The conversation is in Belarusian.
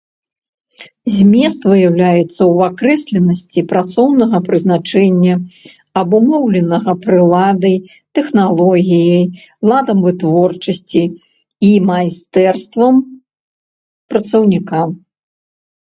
Змест выяўляецца ў акрэсленасці працоўнага прызначэння, абумоўленага прыладай, тэхналогіяй, ладам вытворчасці і майстэрствам працаўніка.